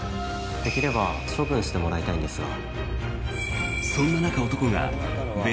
できればそのまま処分してもらいたいんですが。